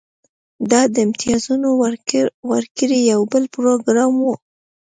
دا د امتیازونو ورکړې یو بل پروګرام و